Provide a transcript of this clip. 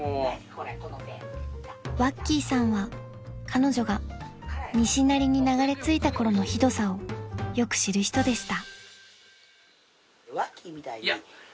［わっきさんは彼女が西成に流れ着いた頃のひどさをよく知る人でした］